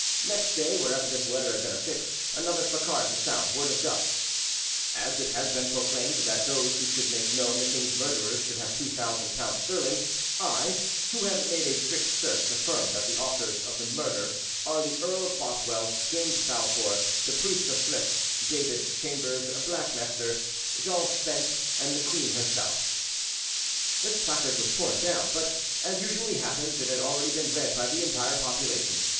Next day, wherever this letter had been affixed, another placard was found, worded thus: "As it has been proclaimed that those who should make known the king's murderers should have two thousand pounds sterling, I, who have made a strict search, affirm that the authors of the murder are the Earl of Bothwell, James Balfour, the priest of Flisk, David, Chambers, Blackmester, Jean Spens, and the queen herself." This placard was torn down; but, as usually happens, it had already been read by the entire population.